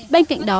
bên cạnh đó